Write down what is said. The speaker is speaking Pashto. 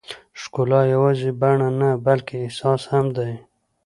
ښکلا یوازې بڼه نه، بلکې احساس هم دی.